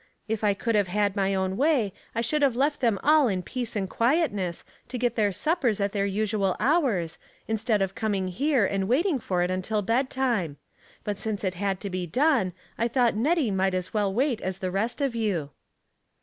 If I could have had my own way J should have left them all in peace and quietness, to get their suppers at their usual hours, instead of comino^ here and waiting^ for it until bedtime. But since it had to be done, I thought Nettie might as well wait as the rest of you."